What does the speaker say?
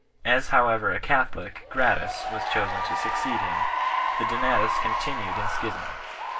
As however a Catholic, Gratus, was chosen to succeed him, the Donatists continued in schism.